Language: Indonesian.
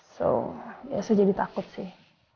jadi ya saya jadi takut sih